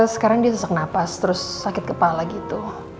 sekarang dia sesak napas terus sakit kepala gitu